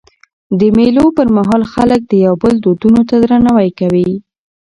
د مېلو پر مهال خلک د یو بل دودونو ته درناوی کوي.